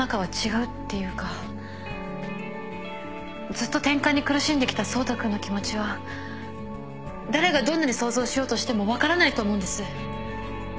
ずっとてんかんに苦しんできた走太君の気持ちは誰がどんなに想像しようとしても分からないと思うんです